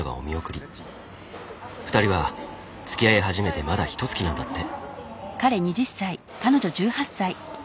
２人はつきあい始めてまだひとつきなんだって。